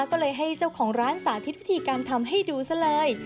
ก็เลยให้เจ้าของร้านสาธิตวิธีการทำให้ดูซะเลย